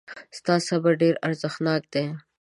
ستا صبر ډېر ارزښتناک دی.